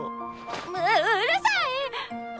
うっうるさいっ！